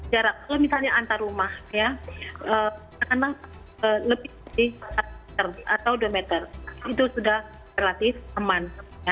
jarak kalau misalnya antar rumah lebih dari satu meter atau dua meter itu sudah relatif aman